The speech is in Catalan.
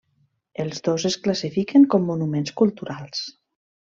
Els dos es classifiquen com monuments culturals.